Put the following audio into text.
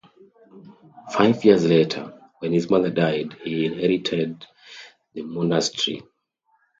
Five years later, when his mother died, he inherited the monastery.